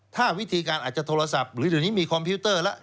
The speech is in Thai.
ถ้าวิธีการอาจจะโทรศัพท์หรือเดี๋ยวนี้มีคอมพิวเตอร์แล้ว